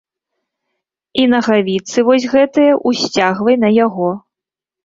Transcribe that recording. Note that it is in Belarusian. І нагавіцы вось гэтыя ўсцягвай на яго.